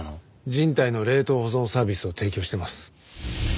人体の冷凍保存サービスを提供してます。